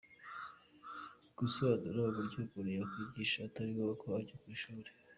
Gusobanura uburyo umuntu yakwiyigisha atari ngombwa ko ajya mu ishuri.